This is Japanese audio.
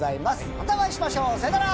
またお会いしましょう。さようなら！